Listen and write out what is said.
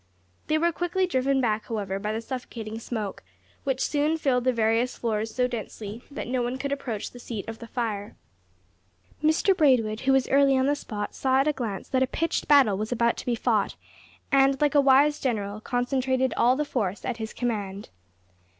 They were quickly driven back, however, by the suffocating smoke, which soon filled the various floors so densely that no one could approach the seat of the fire. Mr Braidwood, who was early on the spot, saw at a glance that a pitched battle was about to be fought, and, like a wise general, concentrated all the force at his command.